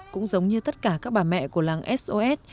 cũng giống như tất cả các bà mẹ của làng sos